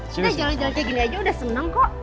kita jalan jalan kayak gini aja udah senang kok